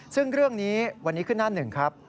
ซึ่งเรื่องนี้วันนี้ขึ้นหน้าหนึ่งครับ